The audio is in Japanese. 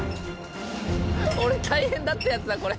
大変だったやつだこれ。